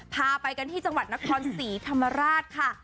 พาไปกันที่จังหวัดนครศรีธรรมราชค่ะ